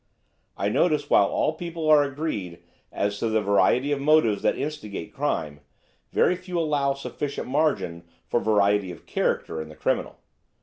I notice while all people are agreed as to the variety of motives that instigate crime, very few allow sufficient margin for variety of character in the criminal.